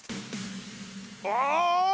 「ああ！」